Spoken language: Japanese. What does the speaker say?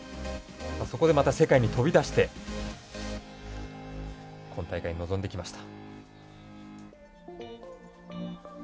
そこで世界に飛び出して今大会に臨んできました。